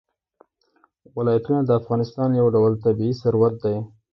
ولایتونه د افغانستان یو ډول طبعي ثروت دی.